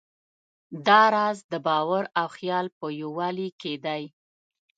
دا راز د باور او خیال په یووالي کې دی.